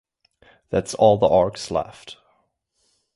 That's all the orcs left.